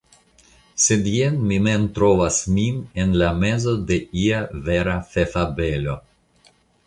Sed jen mi mem trovas min en la mezo de ia vera fefabelo!